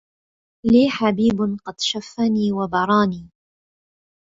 لي حبيب قد شفني وبراني